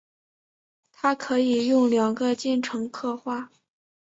它可以用两个进程刻画。